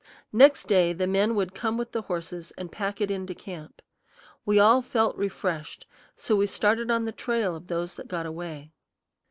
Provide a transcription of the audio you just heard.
Next day the men would come with the horses and pack it in to camp. We all felt refreshed; so we started on the trail of those that got away.